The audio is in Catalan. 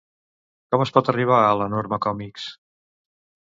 Com es pot arribar a la Norma Còmics?